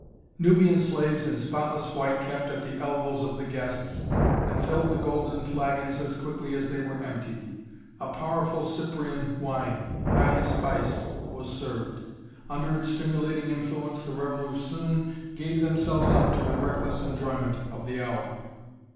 Nubian slaves in spotless white kept at the elbows of the guests and filled the golden flagons as quickly as they were emptied. A powerful Cyprian wine, highly spiced, was served. Under its stimulating influence the revellers soon gave themselves up to the reckless enjoyment of the hour.